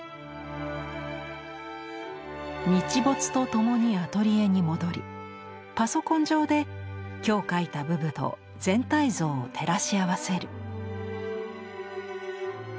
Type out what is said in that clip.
日没とともにアトリエに戻りパソコン上で今日描いた部分と全体像を照らし合わせる。